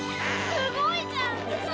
すごいじゃん！！